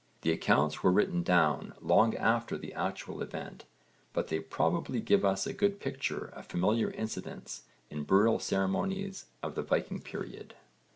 The accounts were written down long after the actual event, but they probably give us a good picture of familiar incidents in burial ceremonies of the Viking period.